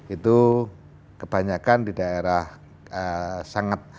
itu kebanyakan di daerah sangat